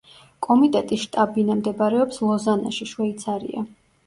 კომიტეტის შტაბ-ბინა მდებარეობს ლოზანაში, შვეიცარია.